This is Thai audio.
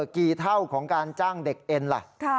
กี่เท่าของการจ้างเด็กเอ็นล่ะ